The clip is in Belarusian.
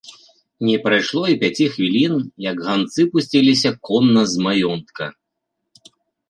Не прайшло і пяці хвілін, як ганцы пусціліся конна з маёнтка.